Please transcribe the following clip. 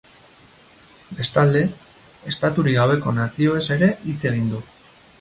Bestalde, estaturik gabeko nazioez ere hitz egin du.